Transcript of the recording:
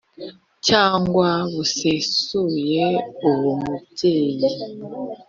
cyangwa busesuye uwo mubyeyi